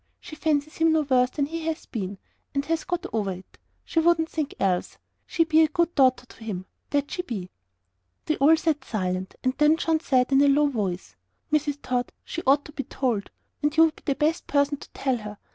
She fancies him no worse than he has been, and has got over it. She WOULDN'T think else. She be a good daughter to him that she be!" We all sat silent; and then John said, in a low voice "Mrs. Tod, she ought to be told and you would be the best person to tell her."